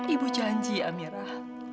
ibu janji amirah